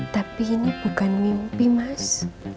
tapi ini bukan mimpi mas